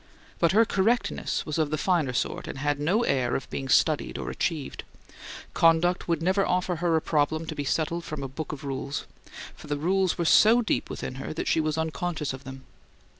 But her correctness was of the finer sort, and had no air of being studied or achieved; conduct would never offer her a problem to be settled from a book of rules, for the rules were so deep within her that she was unconscious of them.